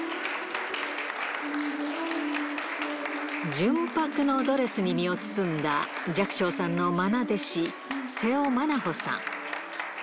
純白のドレスに身を包んだ、寂聴さんのまな弟子、瀬尾まなほさん。